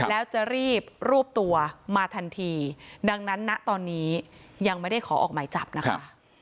แล้วจะรีบรวบตัวมาทันทีดังนั้นณตอนนี้ยังไม่ได้ขอออกหมายจับนะคะ